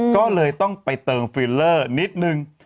ก็เลยต้องไปเติมฟิลเลอร์นิดนึง